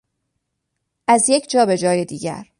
از یک جا به جای دیگر